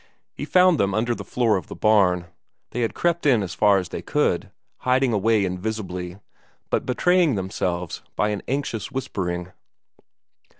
He found them under the floor of the barn; they had crept in as far as they could, hiding away invisibly, but betraying themselves by an anxious whispering.